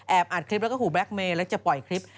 อัดคลิปแล้วก็ขู่แล็กเมย์แล้วจะปล่อยคลิป